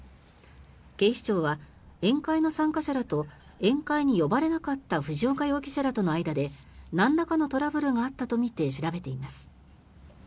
警視庁は宴会の参加者らと宴会に呼ばれなかった藤岡容疑者らとの間でなんらかのトラブルがあったとみて調べています。